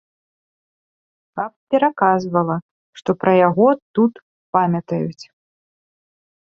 Каб пераказвала, што пра яго тут памятаюць.